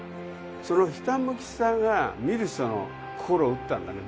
そのひたむきさが見る人の心を打ったんだね